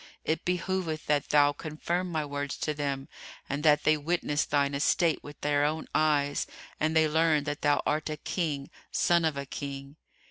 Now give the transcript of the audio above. It behoveth that thou confirm my words to them and that they witness thine estate with their own eyes and they learn that thou art a King, son of a King."